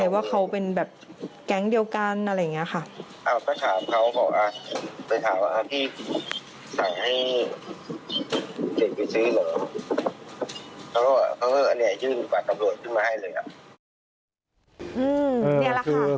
เพราะว่านี่คือตำรวจขึ้นมาให้เลยอะ